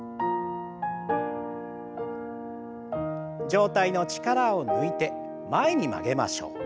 上体の力を抜いて前に曲げましょう。